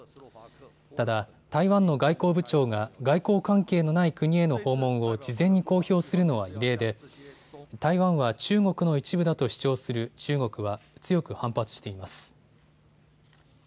ただ台湾の外交部長が外交関係のない国への訪問を事前に公表するのは異例で台湾は中国の一部だと主張する中国は強く反発しています。